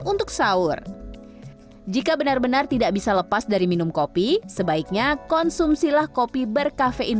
untuk sahur jika benar benar tidak bisa lepas dari minum kopi sebaiknya konsumsilah kopi berkafein